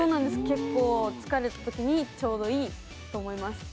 結構、疲れたときにちょうどいいと思います。